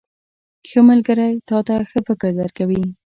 • ښه ملګری تا ته ښه فکر درکوي.